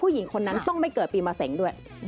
หญิงคนนั้นต้องไม่เกิดปีมะเสงด้วย